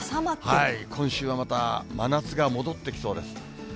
今週はまた、真夏が戻ってきそうです。